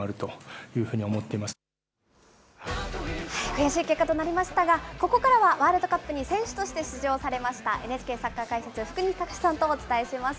悔しい結果となりましたが、ここからはワールドカップに選手として出場されました、ＮＨＫサッカー解説、福西崇史さんとお伝えします。